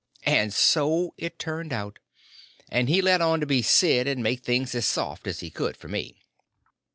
And so it turned out, and he let on to be Sid, and made things as soft as he could for me.